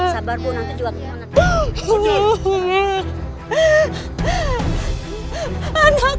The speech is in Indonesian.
sabar bu nanti juga kemana mana